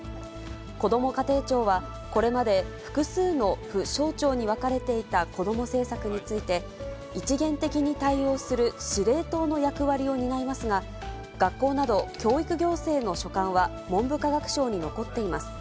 こども家庭庁は、これまで複数の府省庁に分かれていた子ども政策について、一元的に対応する司令塔の役割を担いますが、学校など教育行政の所管は文部科学省に残っています。